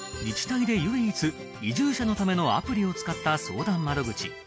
自治体で唯一移住者のためのアプリを使った相談窓口